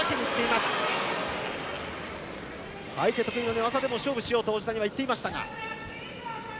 相手得意の寝技でも勝負しようと王子谷は言っていましたが。